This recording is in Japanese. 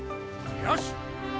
よし！